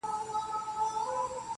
o اوس مي هم ښه په ياد دي زوړ نه يمه.